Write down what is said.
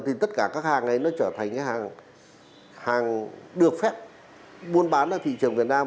thì tất cả các hàng này nó trở thành cái hàng được phép buôn bán ra thị trường việt nam